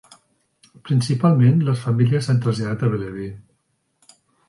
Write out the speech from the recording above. Principalment, les famílies s'han traslladat a Bellevue.